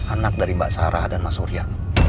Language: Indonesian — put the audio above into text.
anak dari mbak sarah dan mas surya